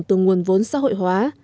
từ nguồn vốn xã hội hóa